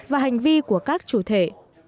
và hành vi của các chủ thể